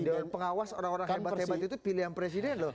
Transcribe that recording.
dan pengawas orang orang hebat hebat itu pilihan presiden loh